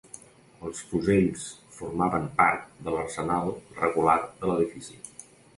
Els fusells formaven part de l'arsenal regular de l'edifici